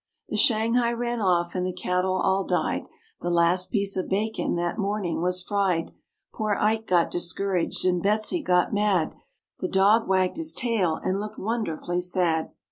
The shanghai ran off and the cattle all died, The last piece of bacon that morning was fried; Poor Ike got discouraged, and Betsy got mad, The dog wagged his tail and looked wonderfully sad.